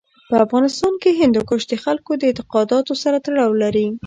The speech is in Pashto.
په افغانستان کې هندوکش د خلکو د اعتقاداتو سره تړاو لري.